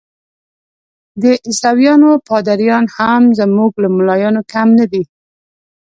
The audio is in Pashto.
د عیسویانو پادریان هم زموږ له ملایانو کم نه دي.